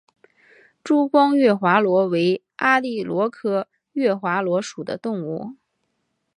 珠光月华螺为阿地螺科月华螺属的动物。